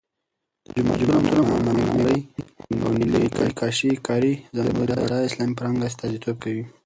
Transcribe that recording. د جوماتونو معمارۍ او نیلي کاشي کاري زموږ د بډای اسلامي فرهنګ استازیتوب کوي.